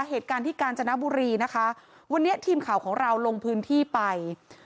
เหตุการณ์ที่กาญจนบุรีนะคะวันนี้ทีมข่าวของเราลงพื้นที่ไป